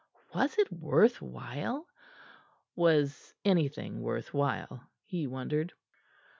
Was it worth while? Was anything worth while, he wondered.